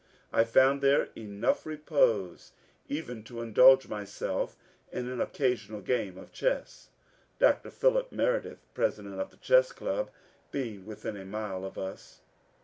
I found there enough re pose even to indulge myself in an occasional game of chess, Dr. Philip Meredith, president of the Chess Club, being within a mile of us.